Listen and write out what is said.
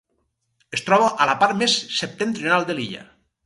Es troba a la part més septentrional de l'illa.